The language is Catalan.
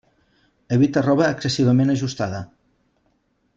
Evita roba excessivament ajustada.